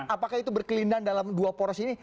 apakah itu berkelindahan dalam dua poros ini